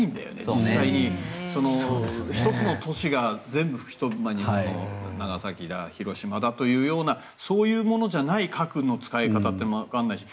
実際に１つの都市が全部吹き飛ぶ長崎や広島だというようなそういうものじゃない核の使い方ってわからないし